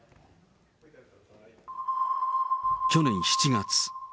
去年７月。